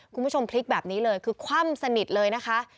พลิกแบบนี้เลยคือคว่ำสนิทเลยนะคะ